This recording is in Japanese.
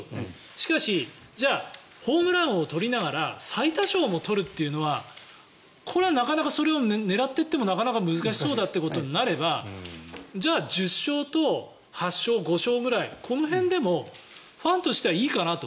しかし、じゃあホームラン王を取りながら最多勝も取るというのはこれはなかなか狙っていってもなかなか難しそうだとなればじゃあ１０勝と８勝、５勝ぐらいこの辺でもファンとしてはいいかなと。